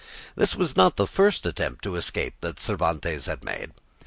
This was not the first attempt to escape that Cervantes had made.